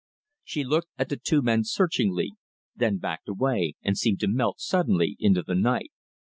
She looked at the two men searchingly, then backed away and seemed to melt suddenly into the night.